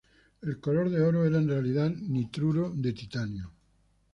El color de oro era en realidad nitruro de titanio.